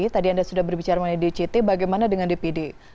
tadi anda sudah berbicara mengenai dct bagaimana dengan dpd